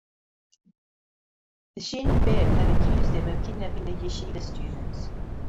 The Shin Bet has accused them of kidnapping the Yeshiva students.